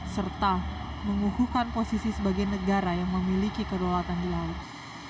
serta menguhukan posisi sebagai negara yang memiliki kedaulatan di laut